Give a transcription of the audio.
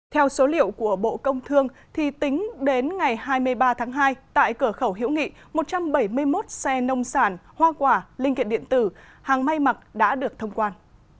theo số liệu của bộ công thương tính đến ngày hai mươi ba tháng hai tại cửa khẩu hiễu nghị một trăm bảy mươi một xe nông sản hoa quả linh kiện điện tử hàng may mặc đã được thông quan